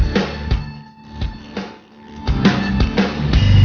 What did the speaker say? menang di facebook